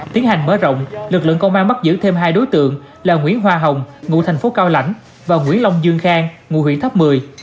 tiến hành mở rộng lực lượng công an bắt giữ thêm hai đối tượng là nguyễn hoa hồng nguồn thành phố cao lãnh và nguyễn long dương khang nguồn huyện tháp mười